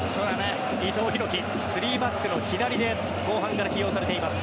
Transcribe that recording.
伊藤洋輝３バックの左で後半から起用されています。